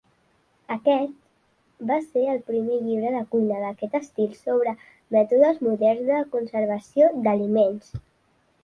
Aquest va ser el primer llibre de cuina d'aquest estil sobre mètodes moderns de conservació d'aliments.